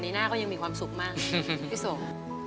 หน้าก็ยังมีความสุขมากพี่สม